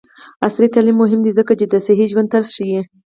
عصري تعلیم مهم دی ځکه چې د صحي ژوند طرز ښيي.